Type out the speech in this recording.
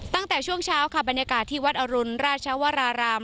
ตั้งแต่ช่วงเช้าค่ะบรรยากาศที่วัดอรุณราชวราราม